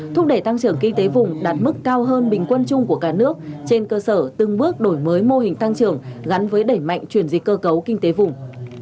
thúc đẩy tăng trưởng kinh tế vùng đạt mức cao hơn bình quân chung của cả nước trên cơ sở từng bước đổi mới mô hình tăng trưởng gắn với đẩy mạnh chuyển dịch cơ cấu kinh tế vùng